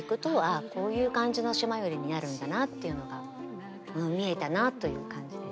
あこういう感じの「島より」になるんだなっていうのが見えたなという感じです。